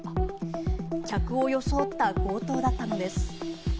客を装った強盗だったのです。